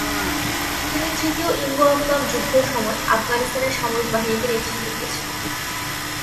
তিনি তৃতীয় ইঙ্গ-আফগান যুদ্ধের সময় আফগানিস্তানের সামরিক বাহিনীকে নেতৃত্ব দিয়েছেন।